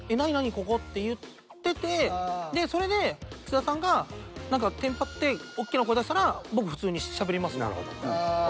ここ」って言っててそれで津田さんが何かテンパっておっきな声出したら僕普通にしゃべります。